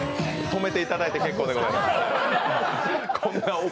止めていただいて結構でございます。